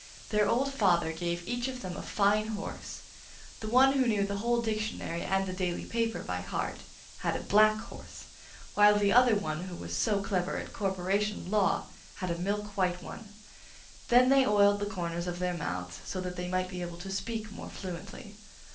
Their old father gave each of them a fine horse; the one who knew the dictionary and the daily paper by heart had a black horse, while the other who was so clever at corporation law had a milk white one. Then they oiled the corners of their mouths so that they might be able to speak more fluently.